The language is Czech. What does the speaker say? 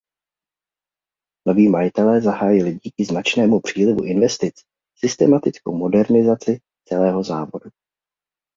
Noví majitelé zahájili díky značnému přílivu investic systematickou modernizaci celého závodu.